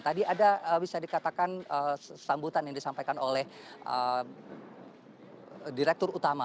tadi ada bisa dikatakan sambutan yang disampaikan oleh direktur utama